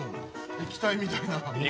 液体みたいなん。